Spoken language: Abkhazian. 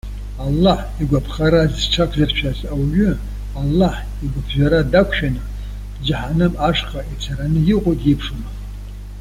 Аллаҳ игәаԥхара зҽақәзыршәаз ауаҩы, Аллаҳ игәыԥжәара дақәшәаны џьаҳаным ашҟа ицараны иҟоу диеиԥшума!